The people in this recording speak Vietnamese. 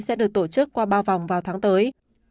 sẽ được tổ chức qua ba vòng vào tháng tới